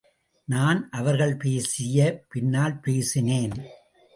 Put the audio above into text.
நான் அவர்கள் பேசிய பின்னால் பேசினேன்.